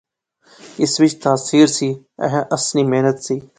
اس وچ تاثیر سی، ایہہ اس نی محنت سی